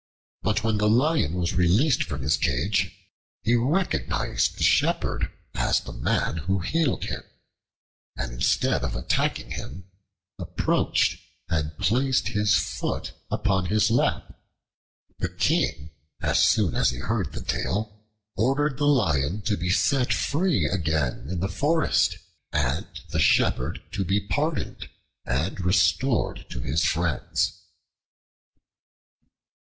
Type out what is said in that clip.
But when the Lion was released from his cage, he recognized the Shepherd as the man who healed him, and instead of attacking him, approached and placed his foot upon his lap. The King, as soon as he heard the tale, ordered the Lion to be set free again in the forest, and the Shepherd to be pardoned and restored to his friends.